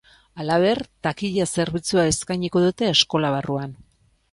Halaber, takila-zerbitzua eskainiko dute eskola barruan.